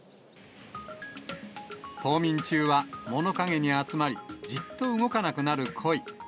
冬眠中は、物陰に集まり、じっと動かなくなるコイ。